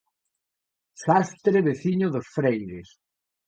Xastre veciño dos Freires.